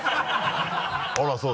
あらそう？